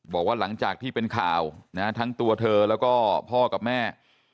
บอกว่าหลังจากที่เป็นข่าวนะทั้งตัวเธอแล้วก็พ่อกับแม่